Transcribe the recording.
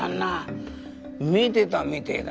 見てたみてえだよ。